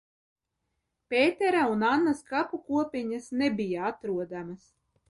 Pētera un Annas kapu kopiņas nebija atrodamas.